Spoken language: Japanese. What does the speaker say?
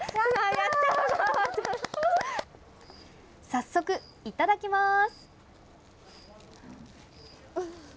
早速いただきます。